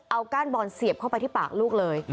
เอาก้านบอลเสียบเข้าไปที่ปากลูกเลย